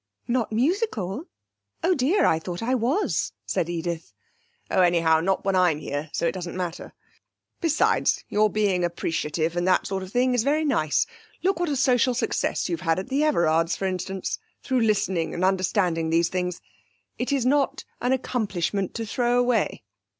'Not musical! Oh dear! I thought I was,' said Edith. 'Oh, anyhow, not when I'm here, so it doesn't matter. Besides, your being appreciative and that sort of thing is very nice. Look what a social success you've had at the Everards', for instance, through listening and understanding these things; it is not an accomplishment to throw away.